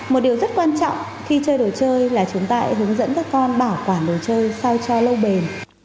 một điều rất quan trọng khi chơi đồ chơi là chúng ta hãy hướng dẫn các con bảo quản đồ chơi sao cho lâu bền